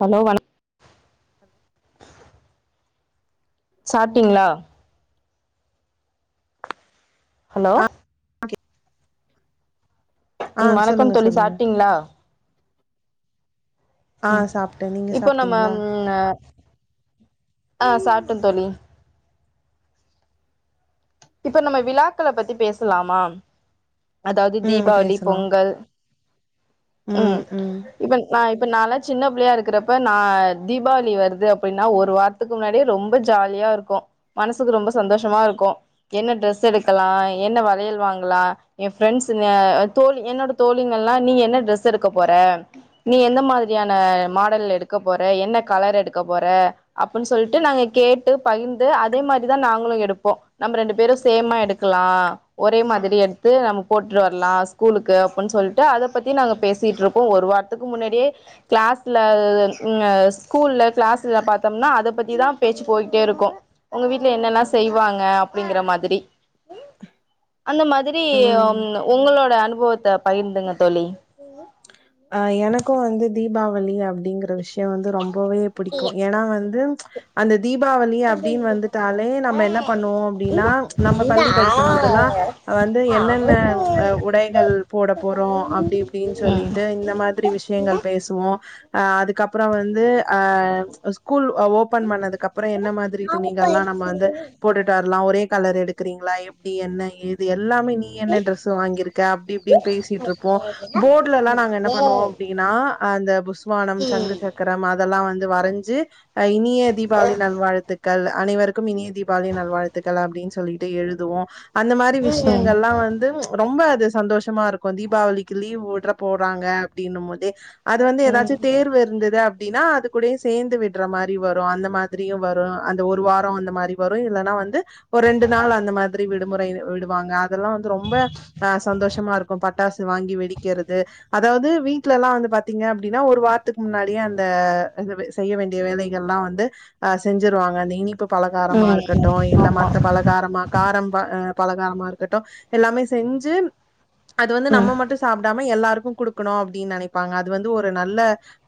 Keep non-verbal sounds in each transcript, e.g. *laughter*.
hello வணக் hello சாப்ட்டீங்ளா hello ஆ ஓகே ஆ ம் வணக்கம் சொல்லுங்க தோழி சொல்லுங்க சாப்ட்டிங்ளா ஆ ம் சாப்ட்டே நீங்க இப்போ நம்ம சாப்ட்டீங்களா ம் ஆ ஆ சாப்ட்ட தோழி இப்ப நம்ம விழாக்கள பத்தி பேசலாமா அதாவது ம் தீபாவளி பேசலா பொங்கல் ம் இப்ப நா இ இப்ப நால்லா சின்ன பிள்ளையா இருக்குறப்ப நா தீபாவளி வருது அப்டின்னா ஒரு வாரத்துக்கு முன்னாடியே ரொம்ப ஜாலியா இருக்கு மனசுக்கு ரொம்ப சந்தோஷமா இருக்கு என்ன ட்ரெஸ் எடுக்கலா என்ன வளையல் வாங்கலா ஏ ஃப்ரெண்ட்ஸுங்க தோழி என்னோட தோழிங்கள்லா நீ என்ன ட்ரெஸ் எடுக்க போற நீ எந்த மாதிரியான மாடல் எடுக்கப் போற என்ன கலர் எடுக்கப் போற அப்புன் சொல்ட்டு நாங்க கேட்டு பகிர்ந்து அதே மாரிதா நாங்களு எடுப்போ நம்ப ரெண்டு பேரு சேமா எடுக்கலா ஒரே மாதிரி எடுத்து நம்ம போட்டுட் வர்லா ஸ்கூலுக்கு அப்புன் சொல்ட்டு அதப் பத்தி நாங்க பேசியிட்ருக்கோ ஒரு வாரத்துக்கு முன்னாடியே க்ளாஸ்ல ம் அ ஸ்கூல்ல க்ளாஸ்ல பாத்தோம்னா அதப் பத்திதா பேச்சுப் போயிட்டே இருக்கு உங்க வீட்ல என்னல்லா செய்வாங்க அப்டிங்கிற மாதிரி அந்த மாதிரி ம் ங் உங்களோட அனு போத்த பகிர்ந்துங்க தோழி அ எனக்கு வந்து தீபாவளி அப்டிங்கிற விஷ் யொ வந்து ரொம்பவே புடிக்கு ஏன்னா வந்து அந்த தீபாவளி அப்டின் வந்துட்டாலே நம்ம என்ன பண்ணுவோ அப்டின்னா நம்ம பள்ளி படிக்கெம்போதெல்லா வந்து என்னென்ன அ உடைகள் போட போறோ அப்டி இப்டின் சொல்லி ம் ட்டு இந்த மாதிரி விஷயங்கள் பேசுவோ அ அதுக்கப்றோ வந்து ஆ அ ஸ்கூல் ஒ ஓப்பன் பண்ணதுக்கப்றொ என்ன மாதிரி துணிகள்லா நம்ம வந்து போட்டுட்டு வர்லா ஒரே கலர் எடுக்குறீங்ளா எப்டி என்ன ஏது எல்லாமே நீ என்ன ட்ரெஸு வாங்கிருக்க அப்டி இப்டின் பேசிட்ருப்போ போர்லல்லா நா ங்க என்ன பண்ணுவோ அப்டின்னா அந்த புஸ் வானம் சங்கு சக்கரம் அதெல்லா வந்து வரைஞ்சு அ இனிய தீபாவளி நல்வாழ்த்துக்கள் அனைவருக்கும் இனிய தீபாவளி நல்வாழ்த்துக்கள் அப்டின்னு சொல்லிட்டு எழுதுவோ அந்த மாரி விஷயங்கல்லா வந்து ரொம்ப சந்தோஷமா இருக்கு தீபாவளிக்கு லீவ் வுட்ற போ போறாங்க அப்டின்னு போதே அது வந்து ம் ஏதாச்சு ம் தேர்வு இருந்தது அப்டி அப்டின்னா அது கூடயே சேர்ந்து விட்ற மாரி வரு அந்த மாதிரியு வரு அந்த ஒரு வாரோ அந்த மாரி வரு இல்லனா வந்து ஒரு ரெண்டு நாள் அந்த மாரி விடுமுறை விடுவாங்க அதெல்லா வந்து ரொம்ப அ சந்தோஷமா இருக்கு பட்டாசு வாங்கி வெடிக்கெறது அதாவது வீட்லல்லா வந்து பாத்தீங்க அப்டின்னா ஒரு வாரத்துக்கு முன்னாடியே அந்த செய்ய வேண்டிய வேலைகேல்லா வந்து அ செஞ்சுருவாங்க அந்த இனிப்பு பலகாரமா இருக்கட்டு இல்ல மத்த பலகாரமா காரம் பா பலகாரமா இருக்கட்டு எல்லாமே செஞ்சு அது வந்து நம்ம மட்டு சாப்டாம எல்லாருக்கு குடுக்கணு அப்டின்னு நெனைப்பாங்க அது வந்து ஒரு நல்ல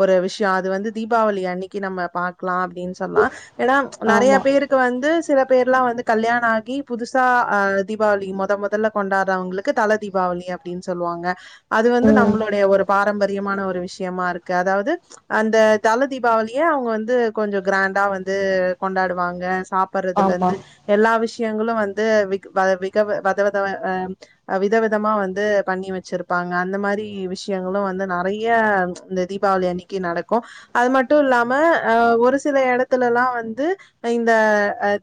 ஒரு விஷயோ அது வந்து தீபாவளி அன்னைக்கு நம்ம பாக்கலா அ அப்டினு சொல்லா ஏன்னா நறைய ஆமா பேருக்கு வந்து சில பேர்லா வந்து கல்யாணோ ஆகி புதுசா அ தீபாவளி மொத மொதல கொண்டாடுறவங்களுக்கு தல தீபாவளி அப்டின்னு சொல்லுவாங்க அது வந்து நம்ம பாரம்பரியமான ஒரு விஷயமா இருக்கு அதாவது அந்த தல தீபாவளியே அவங்க வந்து கொஞ்சோ கிராண்டா வந்து கொண்டாடுவாங்க சாப்பறதுல ஆமா இருந்து எல்லா விஷ் விஷங்களு வந்து விக்கதவித வதவதமா விதவிதமா வந்து பண்ணி வச்சிருப்பாங்க அந்த மாரி விஷயங்களு வந்து நறைய இந்த தீபாவளி அன்னைக்கு நடக்கும அது மட்டு இல்லா ஆ ஒரு சில இடத்துலல்லா வந்து இந்த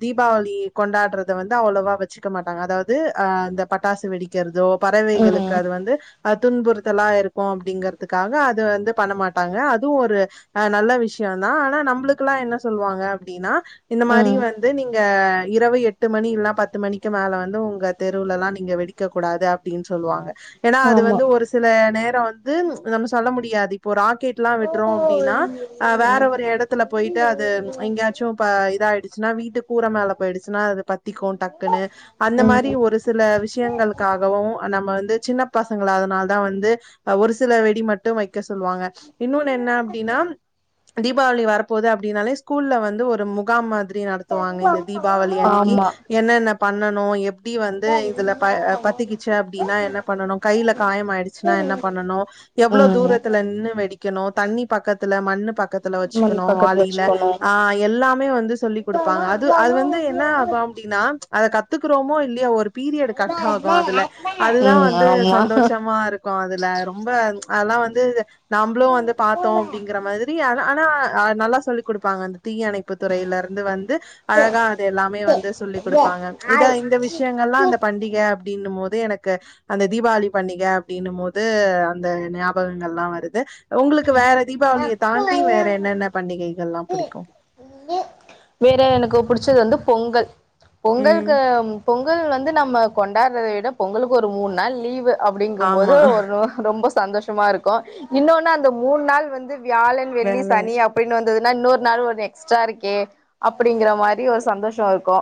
தீபாவளி கொண்டாறத வந்து அவ்ளவா வச்சுக்க மாட்டாங்க அதாவது அ இந்த பட்டாசு வெடிக்கிறதோ ஆமா பறவைகளுக்கு ம் அது வந்து துன்புறுத்தலா இருக்கு இருக்கு அப்டிங்கிறதுக்காக அது வந்து பண்ணமாட்டாங்க அதுவு ஒரு ஆ நல்ல விஷயோ தா ஆனா நம்மளுக்ல்லா என்ன சொல்லுவாங்க அப்டின்னா இந்த மாரி ம் வந்து நீங்க இரவு எட்டு மணி இல்லா பத்து மணிக்கு மேல வந்து உங்க தெருவுலலா நீங்க வெடிக்க கூடாது அப்டின்னு சொல்லுவாங்க ஏன்னா அது ஆமா வந்து ஒரு சில நேரோ வந்து நம்ம சொல்ல முடியாது இப்போ ராக்கெட் லா விடுறோ அப்டின்னா ம் வேற ம் ஒரு எடத்துல போயிட்டு அது எங்கயாச்சூ ப இதாயிடுச்சுனா வீட்டு கூர மேல போயிடுச்சுனா அத பத்திக்கூ டக்குன்னு அந்த மாரி ஒரு சில விஷயங்களுக்காகவூ நம்ம வந்து சின்ன பசங்கள அதனால தா வந்து ஒரு சில வெடி மட்டு வைக் க சொல்லுவாங்க இன்னொனு என்ன அப்டின்னா தீபாவளி வரப்போது அப் டினாலே ஸ்கூல்ல வந்து ஒரு முகாம் மாதி ரி நடத்துவாங்க இந்த தீபாவளி அன்னக்கி ஆமா என்னென்ன பண்ணணூ எப் எப்படி வந்து இதுல ப பத்துக்கிச்சு அப்டின்னா என்ன பண்ணனூ கையில காயமாயிடுச்சுன்னா என்ன பண்ணனூ எவ்ளோ ம் தூரத்துல நின்னு வெடிக்கனோ தண்ணி பக்கத்துல மண்ணு பக்கத்துல மண் வச்சுக்கணு பக்கத்துல வாளில வச்சுக்கணு ஆ எல்லாமே வந்து சொல்லிக் குடுப்பாங்க அது அது வந்து என்ன ஆகும் அப்டீன்னா அத கத்துக்குறோமோ இல்லயோ ஒரு பீரியட் கட் ஆகும் அதுல அதுதா ம் வந்து ஆமா சந்தோஷமா இருக்கோம் அது ரொம்ப அதெல்லா வந்து நம்புளு வந்து பாத்தோ அப்டிங்கற மாதிரி அ ஆனா நல்லா சொல்லி் குடுப்பாங்க அந்த தீயணைப்பு துறையிலருந்து வந்து அழகா அது எல்லாமே வந்து சொல்லி் குடுப்பாங்க இத இந்த விஷ்யங்கள்லா அந்த பண்டிக அப்டினும்போது எனக்கு அந்த தீபாவளி பண்டிக அப்டினும்போ து அந்த ஞாபகங்கள்லா வருது உங்களுக்கு வேற தீபாவளிய தாண்டி வேற என்னென்ன பண்டிகைகள்லா புடிக்கு வேற எனக்கு புடிச்சது வந்து பொங்கல் ம் பொங்கல்க்கு பொங்கல் வந்து நம்ம கொண்டாடுறத விட பொங்கலுக்கு ஒரு மூணு நாள் லீவு அப்டிங்கம்போது ஆமா ஒரு ரொம்ப சந்தோஷமா இருக்கு இன்னொன்னு அந் த மூணு நாள் வந்து வியாழன் வெள்ளி வேல சனி அப்டின்னு வந்ததுனா இன்னொரு நாளு ஒன்னு எக்ஸ்ட்ரா இருக்கே அப்டிங்கிற மாரி ஒரு சந்தோஷோ இருக்கு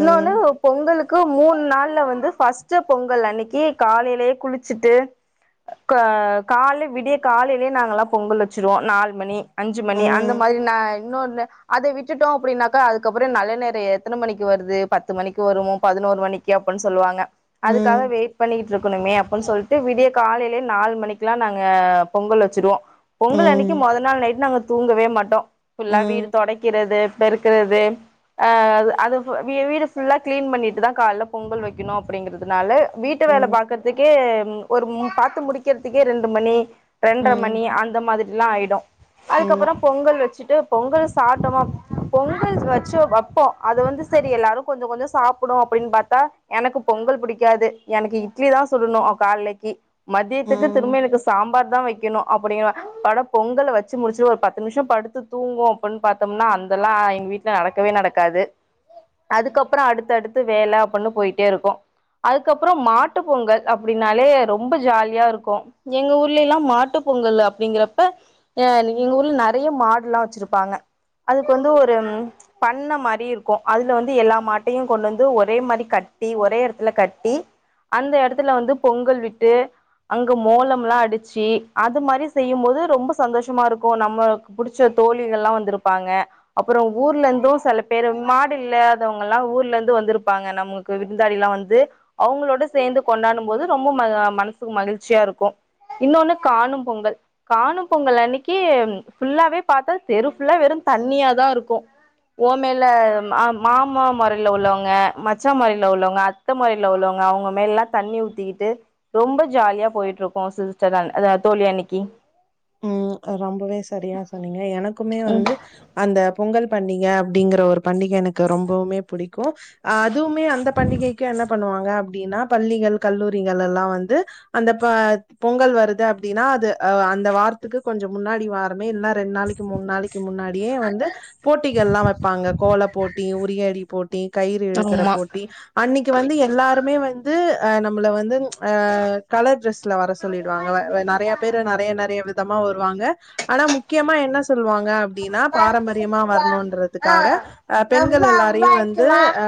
இன்னோன்னு பொங்கலுக் கு மூணு நாள்ல வந்து ஃபஸ்ட் பொங்கல் அன்னைக்கி காலைலயே குளிச்சுட்டு க கால்ல விடிய காலையே நாங்கள்லா பொங்கல் வச்சுருவோ நாலு மணி அஞ்சு மணி அந்த ம் மாரி நா இன்னொன்னு அத விட்டுட்டோ அப்டின்னாக்க அதுக்கப்புறோ நல்ல நேரம் எத்தன மணிக்கு வருது பத்து மணிக்கு வருமோ பதுனோரு மணிக்கு அப்டின்னு சொல்லுவாங்க அதுக்காக ம் வெயிட் பண்ணி இருக்கணுமே அப்புன் சொல்ட்டு விடிய காலைலே நாலு மணிக்கெலா நாங்க பொங்கல் வெச் சிருவோ பொங்கலன்னைக்கு ம் மொத நாள் நைட்டு நாங்க தூங்கவே மாட்டோ ஃபுல்லா வீடு ம் தொடைக்கிறது பெருக்குறது அ அது அது வீ வீடு ஃபுல்லா கிளீன் பண்ணிட்டுதா கால்ல பொங்கல் வெக்கணு அப்டிங்கறதுனால வீட்டு வேல ம் பாக்கறதுக்கே ஒரு மு பாத்து முடிக்கறதுக்கே ரெண்டு மணி ரெண்ற ம் மணி அந்த மாதிரி ல்லா ஆயிடு ம் அதுக்கப்பற பொங்கல் வெச்சுட்டு பொங்கல் சாப்ட்டோமா பொங்கல் வச்சோ வப்போ அது வந்து செரி எல்லாரு கொஞ்சக் கொஞ்சொ சாப்டுவோ அப்டின் பாத்தா எனக்கு பொங்கல் புடிக்காது எனக்கு இட்லி தா சுடுணு கால்லைக்கி மதியத்துக்கு ம் திரும்ப எனக்கு சாம்பார் தா வெக் கெணு அப்டினுவா அட பொங்கல வெச்சு முடிச்சி ஒரு பத்து நிம்ஷொ படுத்து தூங்குவோ அப்புன் பாத்தம்னா அந்தெல்லா எங்க வீட்ல நடக்கவே நடக்காது அதுக்கப்பறோ அடுத்து அடுத்து வேல அப்புன்னு போயிட்டே இருக்கு அதுக்கப்பறோ மாட்டு பொங்கல் அப்டின்னாலே ரொம்ப ஜாலியாருக்கு எங்க ஊர்லேல்லா மாட் டுப் பொங்கலு அப்டிங்கிறப்ப எ எங்க ஊர்ல நறைய மாடுல்லா வச்சிருப்பாங்க அதுக்கு வந்து ஒரு பண்ண மாரி இருக்கு அதுல வந்து எல்லா மாட்டையு கொண்டந்து ஒரே மாரி கட்டி ஒரே எடத்துல கட்டி அந்த எடத்துல வந்து பொங்கல் விட்டு அங்க மோளம்லா அடிச்சி அது மாரி செய்யும் போது ரொம்ப சந்தோஷமா இருக்கு நம்மக்குப் புடிச்ச தோழிகள்லா வந்துருப்பாங்க அப்பறோ ஊர்லேந்து செல பேரு மாடு இல்லாதவங்கல்லா ஊர்லேந்து வந்துருப்பாங்க நமக்கு விருந்தாளில்லா வந்து அவுங்களோட சேந்து கொண்டாடும் போது ரொம்ப ம மனசுக்கு மகிழ்ச்சியாருக்கு இன்னொன்னு காணும் பொங்கல் காணும் பொங்கல் அன்னைக்கி ஃபுல்லாவே பாத்தா தெரு ஃபுல்லா வெறுந் தண்ணியாதா இருக்கு ஓ மேல ம மாமா மொறைல உள்ளவங்க மச்சா மொறையில உள்ளவங்க அத்த மொறையில உள்ளவங்க அவுங்க மேலல்லா தண்ணி ஊத்திக்கிட்டு ரொம்ப ஜாலியா போயிட்ருக்கு சிஸ்டர் அன் அதா தோழி அன்னக்கி ம் ரொம்பவே சரியா சொன்னீங்க எனக்குமே வந்து அந்தப் பொங்கல் பண்டிக அப்டிங்கிற ஒரு பண்டிக எனக்கு ரொம்பவுமே புடிக் கு அ அதுவுமே அந்த பண்டிகைக்கு என்ன பண்ணுவாங்க அப் டின்னா பள்ளிகள் கல்லூரிங்களெல்லா வந்து அந்தப் ப பொங்கல் வருது அப்டின்னா அது அ அந்த வா ரத்துக்கு கொஞ்சொ முன்னாடி வாரமே இல்ல ரெண்ட் நாளக்கி மூண் நாளக்கி முன்னாடியே வந்து போட்டிகள்லா வெப்பாங்க கோல போட்டி உரியடி போட்டி கயிறு இழுக்குற ஆமா போட்டி அன்னக்கி வந்து எல்லாருமே வந்து அ நம்மள வந்து அ கலர் ட்ரெஸ்ல வர சொல்லிடுவாங்க வ நறைய பேரு நறைய நறைய வி தமா வருவாங்க ஆனா முக்கியமா என்ன சொல்லுவாங்க அப்டின்னா பாரம்பரியமா வர்ணுன்றதுக்காக அ பெண்கள் எல்லாரையு வந்து அ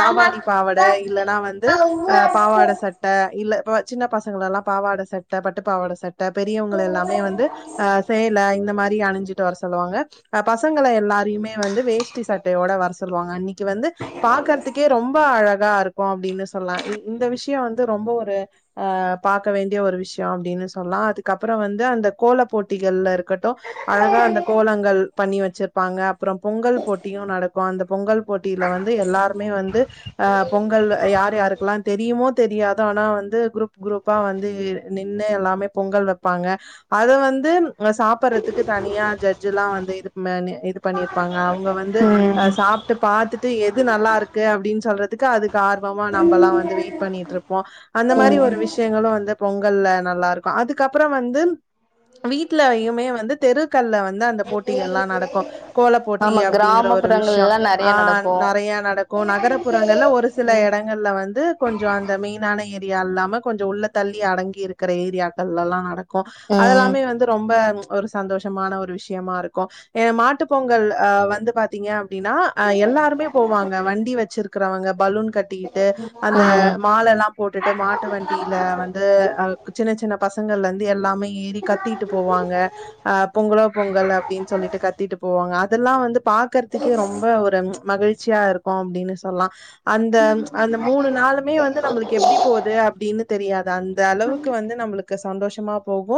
தாவாணி பாவாட இல்லன்னா வந்து அ பாவாட சட்ட இல்ல இப்பொ சின்ன பசங்களெல்லா பாவாட சட்ட பட்டு பாவாட சட் ட பெரியவங்களயெல்லா ந்து அ சேல இந்த மாரி அணிஞ்சிட்டு வர சொல்லுவாங்க அ பசங்கள எல்லாரையுமே வந்து வேஷ்டி சட்டையோட வர சொல்லுவாங்க அன்னிக் கி வந்து பாக்கற்துக்கே ரொம்ப அழ கா இருக்கு அப்டினு சொல்லா இ இந்த விஷ்யொ வந்து ரொம்பொ ஒரு ஆ பாக்க வேண்டிய ஒரு விஷ்யொ அப்டினு சொல்லா அதுக்கப்பறோ வந் து அந்த கோல போட்டிகள்லா இரு க்கட்டு அழகா அந்த கோலங்கள் பண்ணி வச்சிருப்பாங்க அப் அப்றொ பொங்கல் போட்டியு நடக்கும அந்த பொங்கல் போட்டியில வந்து எல்லாருமே வந்து அ பொங்கல் யார் யாருக்குல்லா தெரியுமோ தெரியா தோனா வந்து க்ரூப் க்ரூப்பா வந்து நின்னு எல்லாமே பொங்கல் வெப்பாங்க அது வந்து அ சாப்பர்றத்துக்கு தனியா ஜட்ஜுல்லா வந்து இது ம நே இது பண்ணியிருப்பாங்க அவுங்க வந்து அ ம் சாப்ட்டு பாத்துட் டு எது நல்லாருக்கு அப்டின் சொல்றத்துக்கு அதுக்கு ஆர்வமா நம்பல்லா வந்து வெய்ட் பண்ணியிட்ருப் போ அந்த மாரி ம் ஒரு விஷயங்களு வந்து பொங்கல்ல நல்லா இருக்கு அதுக்கப்பறோ வந்து வீட்லயுமே வந்து தெருக்கல்ல வந்து அந்த போட்டிகள்லா நடக்கு கோல போட்டி ஆமா அப்டிங்கிற ஒரு விஷ்யொ கிராமப்புறங்கள்லா நெறைய ஆ நடக்கு நறைய நடக்கு நகரப்புறங்கள்ல ஒரு சில ம் எடங்கள்ல வந்து கொஞ்சொ அந்த மெய்னான ஏரி யா இல்லாம கொஞ்சொ உள்ள தள்ளி அடங்கி இருக்குற ஏரியாக்கள்லலா நடக்கு ம் அதெல்லாமே வந்து ரொம்ப ச் ஒரு சந்தோஷமான ஒரு விஷ்யமா ருக்கோ ஏ மாட்டு பொங்கல் ஆ வந்து பாத்தீங்க அப்டினா அ எல்லாருமே போவாங்க வண்டி வச்சிருக் க்றவங்க பலூன் கட்டிகிட்டு அந்த ம் மாலெல்லா போட்டுட்டு மாட்டு வண்டியில வந்து அ கு சின்ன சின்ன பசங்கள்லந்து எல்லாமே ஈர் தி கத்தீட்டு போவாங்க அ பொங்கலோ பொங்கல் அப்டின் சொல்லிட்டு கத்தீட்டு போவாங்க அதெல்லா வந்து பாக்கற்துக்கே ரொம்ப ஒரு ச் மகிழ் ச்சியா இருக்கோ அப்டீனு சொல்லா அந்த ச் அந்த மூணு நாளூமே வந்து நம்பளுக்கு எப்டி போது அப்டீனு தெரியாது அந்த அளவுக்கு வந்து நம்புளுக் கு சந்தோஷமா போகு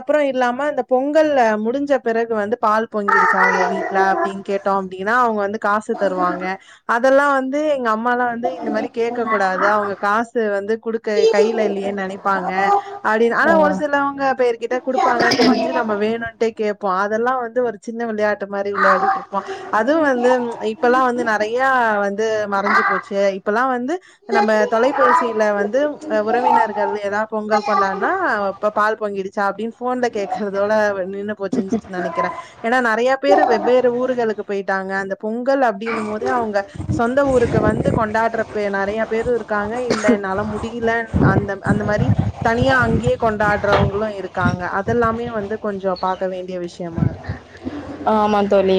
அப்பறோ இல்லாம இந்த பொங்கல் அ முடிஞ்ச பிறகு வந்து பால் பொங்கிடுச்சா உங்க வீட்ல அப்டின் கேட்டோ அப்டினா அவ்ங்க வந்து காசு தருவாங்க அதெல்லா வந் து எங்க அம் ம்மாலா வந்து இந்த மாரி கேக்க கூடாது அவ்ங்க காசு வந்து குடுக்க கையில இல்லியே நெனைப்பாங்க அப்டினு ஆனா ஆ ஒரு சிலவங்க பேருகிட்ட குடுப்பாங்கன் தெரிஞ்சு நம்ம வேணுண்டே கேப் போ அதெல்லா வந்து ஒரு சின்ன விளயாட் டு மாரி விளயாடிட்ருப்போ அதுவு வந்து ச்ச் இப்பெல்லா வந்து நெறைய வந்து ம ரஞ்சு போச்சே இப்பெல்லா வந்து நம்ம தொலைபேசியில வந்து ச்ச் உறவினர்கள் எதா பொங்கல் கொண்டாட்னா ப பால் பொங்கிடு ச்சா அப்டின் ஃபோன்ல கேக்கறதோட நின்னு போச்சுன் நெனைக்கிறே ஏன்னா நெறைய பேரு வெவ்வேறு ஊருகளுக்கு போய்ட்டாங்க அந்த பொங்கல் அப்டின்னுமோது அவுங்க சொந்த ஊருக்கு வந்து கொண்டாட்ற ப நெறைய பேரு இருக்காங்க இல்ல என்னால முடியில அந்த அந்த மாரி தனியா அங்கே கொண்டாடுறவங்களு இருக் காங்க அதெல்லாமே வந்து கொஞ்சோ பாக்க வேண்டிய விஷ்யமா இருக்கு ஆமாந் தோழி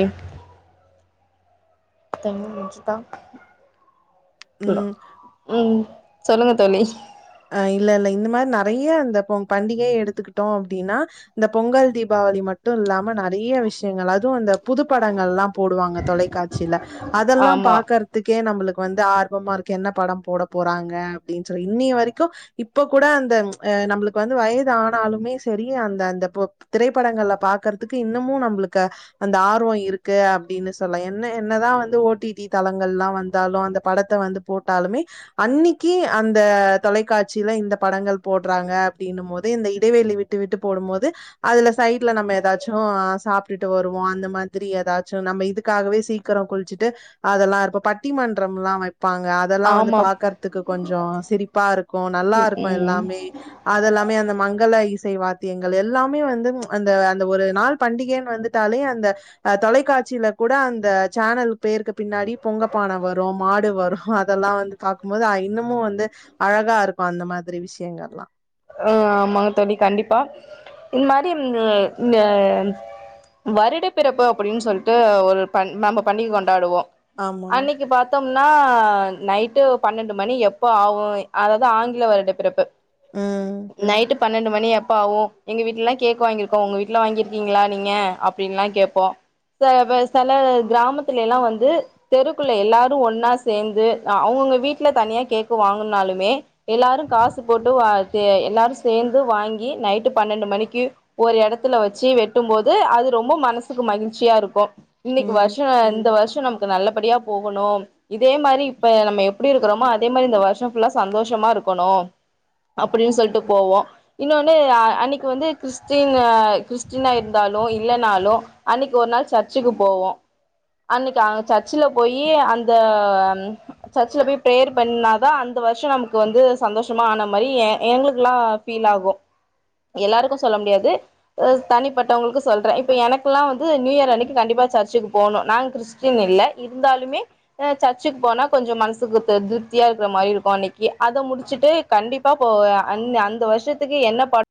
டைம் முடிஞ்சிதா *unintelligible* ம் ம் சொல்லுங்க தோழி அ இல்ல இல்ல இந்த மார் நெறைய இந்த பொங் பண்டிகேயே எடுத்துக்கிட்டோ அப்டீனா இந்த பொங்கல் தீபாவளி மட்டு இல்லாம நறைய விஷ்யங்கள் அதுவு இந்த புதுப்படங்கள்லா போடுவாங்க தொலைக்காட்சில அதெல்லாம் ஆமா பாக்கறதுக்கே நம்புளுக் வந்து ஆர்வமா இருக்கு என்ன படம் போட போறாங்க அப்டின் சொல்லி இன்னி வரிக் கு இப்போ கூட அந்த ச்ச் அ நம்ப்ளுக்கு வந்து வயது ஆனாலுமே செரி அந்த அந்த பொ திரைப்படங்கள்ல பாக்கற்துக்கு இன்னமு நம்ப்ளுக்கு அந்த ஆர்வோ இருக்கு அப்டின்னு சொல்லா என்ன என்னதா வந்து ஓடிடி தளங்கள் ல்லா வந்தாலு அந்த படத்த வந்து போட்டாலுமே அன்னிக்கி அந்த தொலைக்காட்சியில இந்த படங்கள் போட்றாங்க அப்டீனுமோது இந்த இடைவெளி விட்டு விட்டு போடும்போது அதுல சைட்ல நம்ம எதாச்சு சாப்டுட் ட்ரு வருவோ அந்த மாதிரி எதாச்சு நம்ம இதுக்காகவே சீக்கரோ குள்ச்சுட்டு அதெல்லா இருப்போ பட்டி மன்றம் லா வெப் பாங்க அதெல்லா வந்து ஆமா பாக்கற்துக்கு கொஞ்சோ சிரிப் பா ருக்கே நல்லாருக்கு ம் எல்லாமே அதெல்லாமே அந்த மங்க அல்ல இசை வாத்தியங்கள் எல்லாமே வந்து அந்த அந்த ஒரு நாள் பண்டிகைன்னு வந்துட்டாலே அந்த அ தொலைக்காட்சியில கூட அந்த சேனல் பேருக்கு பின்னாடி பொங்கப்பான வரும் மாடு வரும் அதல்லாம் வந்து பாக்கும்போது அ இன்னமும் வந்து அழகா இருக்கும் அந்த மாதிரி விஷயங்கள்ல்லா அ ஆமாங்க தோழி கண்டிப்பா இந்த மாரி இந்த இந்த வருட பிறப்பு அப்புடின்னு சொல்ட்டு ஒரு பண் நம்ப பண்ணி கொண்டாடுவோம் ஆமா அன்னைக்கி பாத்தோம் ன்னா நைட்டு பன்னெண்டு மணி எப்ப ஆவும் அதாவது ஆங்கில வருட பிறப்பு ம் நைட்டு்ப் பன்னெண்டு மணி எப்ப ஆவும் எங்க வீட்லல்லா கேக்கு வாங்கியிருக்கோம் உங்க வீட்ல வாங்கிருக்கீங்களா நீங்க அப்புடின்ல்லாம் கேப்போம் ச வ சில கிராமத்துல எல்லாம் வந்து தெருக்குள்ள எல்லாரும் ஒன்னா சேந்து அ அவங்கவுங்க வீட்ல தனியா கேக்கு வாங்குனாலுமே எல்லாரும் காசு போட்டு வா கே எல்லாரும் சேந்து வாங்கி நைட்டு பன்னெண்டு மணிக்கு ஒரு எடத்துல வெச்சி வெட்டும் போது அது ரொம்ப மனசுக்கு மகிழ்ச்சியா இருக்கும் இன்னைக்கு ம் வருஷோ இந்த வருஷ து நமக்கு நல்லபடியா போகணும் இதே மாரி இப்ப நம்ம எப்புடி இருக்குறோமோ அதே மாரி இந்த வருஷம் ஃபுல்லா சந்தோஷமா இருக்கணும் அப்புடின்னு சொல்ட்டு போவோம் இன்னொன்னு அ அன்னைக்கு வந்து கிறிஸ்டின் அ கிறிஸ்டினா இருந்தாலும் இல்லன்னாலும் அன்னைக்கு ஒரு நாள் சர்ச்சுக்கு போவோம் அன்னைக்கு அங்க சர்ச்சுல போயி அந்த சர்ச்சுல போய் ப்ரேயர் பண்ணு னாதான் அந்த வருஷம் நமக்கு வந்து சந்தோஷமா ஆன மாரி எங்களுக்குல்லாம் ஃபீல் ஆகும், எல்லாருக்கும் சொல்ல முடியாது அ தனிப்பட்டவங்களுக்கு சொல்றேன் இப்ப எனக்குல்லா வந்து நியூ இயர் அன்னைக்கி கண்டிப்பா சர்ச்சுக்கு போகணும் நாங்க கிறிஸ்டியன் இல்ல இருந்தாலுமே அ சர்ச்சுக்கு போனா கொஞ்சம் மனசுக்கு த திருப்தியா இருக்கிற மாரி இருக்கும் அன்னைக்கி அத முடிச்சுட்டு கண்டிப்பா போவ அந்த அந்த வருஷத்துக்கு என்ன பாட்